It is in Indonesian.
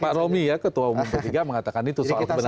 pak romi ya ketua umum pertiga mengatakan itu